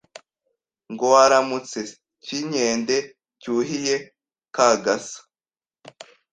Ngo waramutse Cyinkende cyuhiye Kagasa